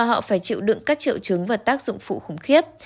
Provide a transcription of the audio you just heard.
họ phải chịu đựng các triệu chứng và tác dụng phụ khủng khiếp